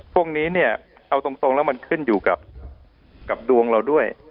พวกนี้เนี่ยเอาตรงแล้วมันขึ้นอยู่กับดวงเราด้วย